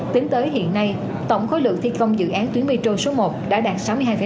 tính tới hiện nay tổng khối lượng thi công dự án tuyến metro số một đã đạt sáu mươi hai